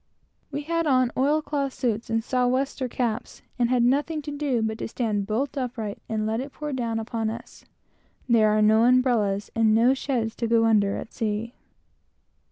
We had on oil cloth suits and south wester caps, and had nothing to do but to stand bolt upright and let it pour down upon us. There are no umbrellas, and no sheds to go under, at sea.